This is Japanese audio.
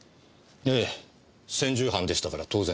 ええ専従班でしたから当然。